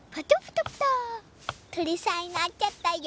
とりさんになっちゃったよ！